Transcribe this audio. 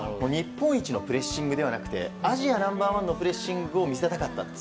日本一のプレッシングではなくてアジアナンバー１のプレッシングを見せたかった。